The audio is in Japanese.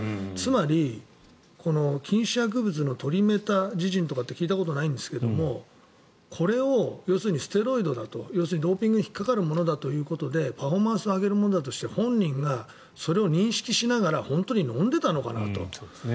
つまり禁止薬物のトリメタジジンって聞いたことないんですがこれをステロイドだとドーピングに引っかかるものだとパフォーマンスを上げるものだとして本人がそれを認識しながら本当に飲んでいたのかなと。